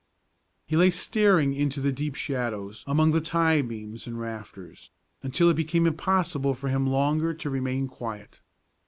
He lay staring into the deep shadows among the tie beams and rafters until it became impossible for him longer to remain quiet.